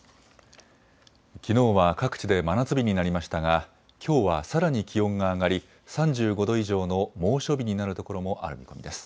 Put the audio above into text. きのうは各地で真夏日になりましたが、きょうはさらに気温が上がり３５度以上の猛暑日になるところもある見込みです。